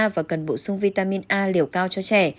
và cần bổ sung vitamin a liều cao cho trẻ